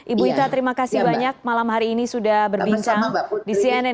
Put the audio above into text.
ibu ita terima kasih banyak malam hari ini sudah berbincang di cnn